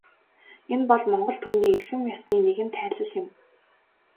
Энэ бол монгол түмний эрхэм ёсны нэгэн тайлал юм.